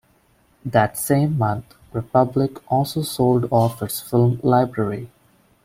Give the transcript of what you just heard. That same month, Republic also sold off its film library.